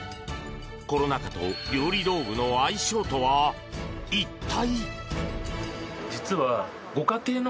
コロナ禍と料理道具の相性とは一体？